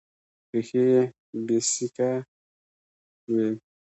پښې يې بېسېکه وې.